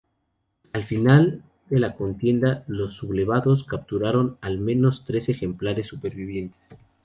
Al final de la contienda los sublevados capturaron al menos tres ejemplares supervivientes.